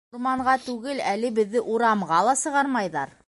Урманға түгел, әле беҙҙе урамға ла сығармайҙар.